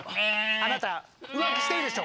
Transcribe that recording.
あなた浮気してるでしょ？